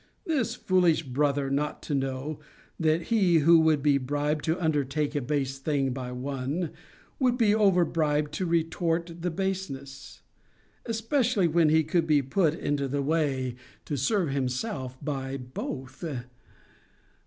This foolish brother not to know, that he who would be bribed to undertake a base thing by one, would be over bribed to retort the baseness; especially when he could be put into the way to serve himself by both!